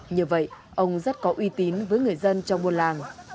như vậy ông rất có uy tín với người dân trong buôn làng